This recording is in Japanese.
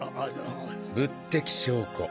「物的証拠」。